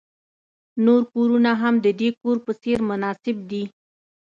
نور کورونه هم د دې کور په څیر مناسب دي